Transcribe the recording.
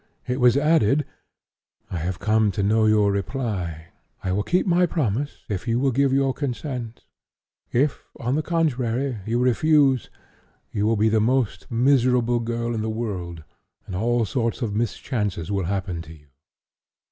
It was added: 'I have come to know your reply; I will keep my promise if you will give your consent; if, on the contrary, you refuse, you will be the most miserable girl in the world, and all sorts of mischances will happen to you.'